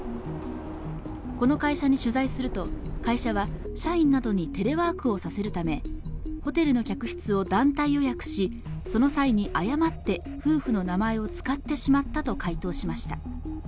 この会社に取材すると、会社は社員などにテレワークをさせるため、ホテルの客室を団体予約し、その際に誤って夫婦の名前を使ってしまったと回答しました。